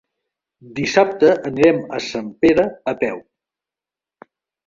Dissabte anirem a Sempere a peu.